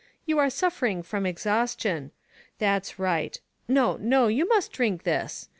"You are suffering from exhaustion. That's right — no, no, you must drink this.